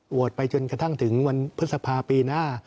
ไปจนกระทั่งถึงวันพฤษภาปีหน้า